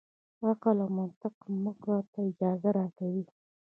عقل او منطق موږ ته اجازه راکوي.